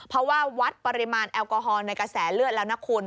เพราะว่าวัดปริมาณแอลกอฮอลในกระแสเลือดแล้วนะคุณ